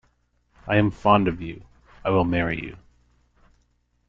I am fond of you. I will marry you.